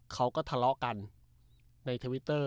เขาก็ทะเลาะกันในทวิตเตอร์